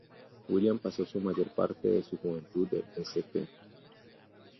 William pasó la mayor parte de su juventud en St.